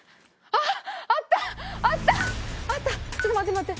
あった！